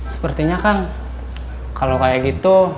sepertinya kan kalau kayak gitu